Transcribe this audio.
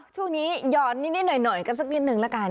ช่วงนี้ย้อนนิดหน่อยกันสักนิดนึงละกัน